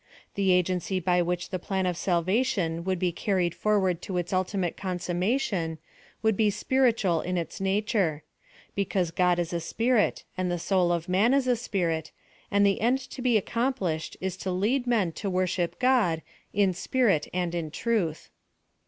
The agency by which the Plan of Salvation would be carried forward to its ulti mate consummation would be spiritual in its na ture : because God is a spirit, and the soul of man is a spirit, and the end to be accomplished is to lead men to worship God " in spirit and in truth."